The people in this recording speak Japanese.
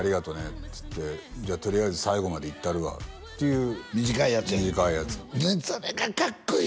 っつって「じゃあとりあえず最後までいったるわ」っていう短いやつや短いやつ「それがかっこいい！